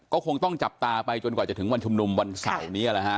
ก็คงต้องจับตาไปจนกว่าจะถึงวันชุมนุมวันเสาร์นี้นะฮะ